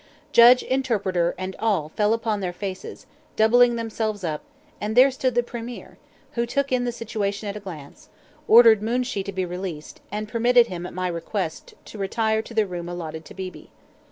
Judge, interpreter, and all fell upon their faces, doubling themselves up; and there stood the Premier, who took in the situation at a glance, ordered Moonshee to be released, and permitted him at my request to retire to the room allotted to Beebe.